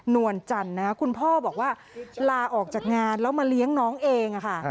วลจันทร์คุณพ่อบอกว่าลาออกจากงานแล้วมาเลี้ยงน้องเองค่ะ